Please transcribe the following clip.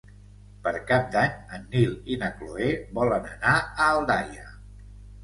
Per Cap d'Any en Nil i na Cloè volen anar a Aldaia.